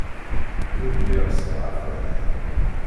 Ur lliɣ sɛiɣ afran.